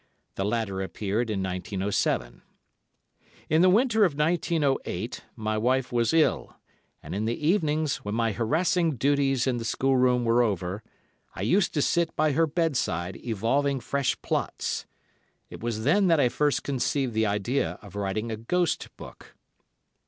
The latter appeared in 1907. In the winter of 1908 my wife was ill, and in the evenings, when my harassing duties in the schoolroom were over, I used to sit by her bedside evolving fresh plots. It was then that I first conceived the idea of writing a ghost book.